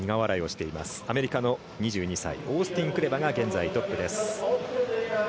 ２２歳アメリカのオースティン・クレバが現在トップです。